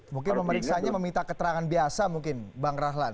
mungkin memeriksanya meminta keterangan biasa mungkin bang rahlan